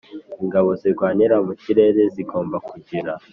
Ingabo Zirwanira mu Kirere zigomba kugira